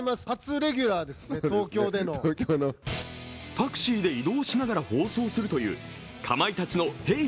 タクシーで移動しながら放送するという「かまいたちのヘイ！